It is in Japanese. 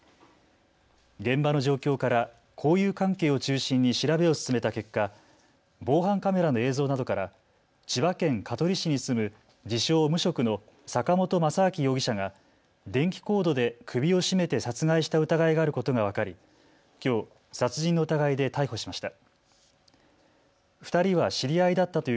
現場の状況から交友関係を中心に調べを進めた結果防犯カメラの映像などから千葉県香取市に住む自称無職の坂本雅章容疑者が電気コードで首を絞めて殺害した疑いがあることが分かりきょう殺人の疑いで逮捕しました。